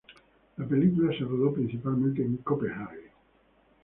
La película se rodó principalmente en Copenhague.